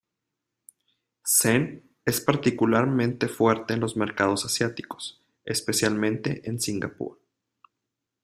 Zen es particularmente fuerte en los mercados asiáticos, especialmente en Singapur.